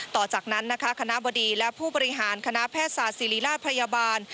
ต่อจากนั้นนะคะคณะบดีและผู้บริหารคณะแพทยศาสตร์ศิริราชพยาบาล